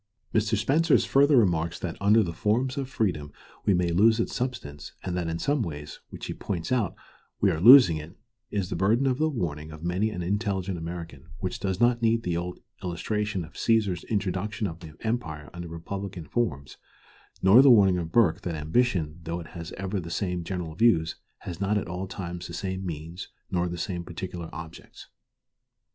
Mr. Spencer's further remarks that under the forms of freedom we may lose its substance, and that in some ways, which he points out, we are losing it, is the burden of the warning of many an intelligent American, which does not need the old illustration of Cæsar's introduction of the empire under republican forms, nor the warning of Burke, that "ambition, though it has ever the same general views, has not at all times the same means nor the same particular objects."